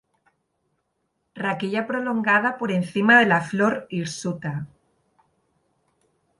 Raquilla prolongada por encima de la flor, hirsuta.